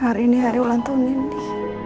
hari ini hari ulang tahun ini